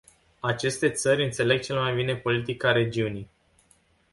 Aceste țări înțeleg cel mai bine politica regiunii.